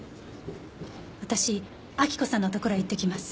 私明子さんのところへ行ってきます。